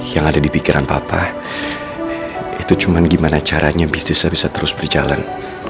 yang ada di pikiran papa itu cuma gimana caranya bisnisnya bisa terus berjalan